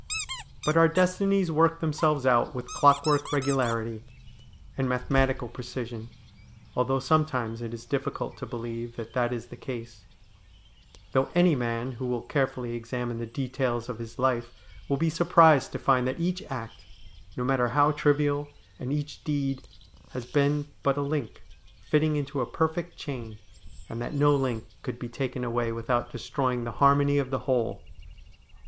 But our destinies work themselves out with clockwork regularity and mathematical precision, although sometimes it is difficult to believe that that is the case ; though any man who will care fully examine the details of his life will be surprised to find that each act, no matter how trivial, and each deed, has been but a link fitting into a perfect chain, and that no link could be taken away without destroying the harmony of the whole.